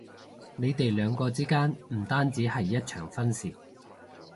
你哋兩個之間唔單止係一場婚事